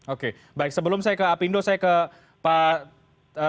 oke baik sebelum saya ke apindo saya ke pak